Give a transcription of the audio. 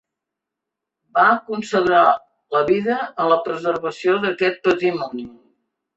Va consagrar la vida a la preservació d'aquest patrimoni.